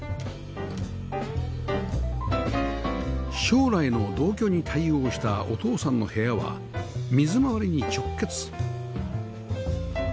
将来の同居に対応したお父さんの部屋は水回りに直結